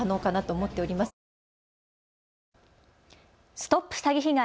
ＳＴＯＰ詐欺被害！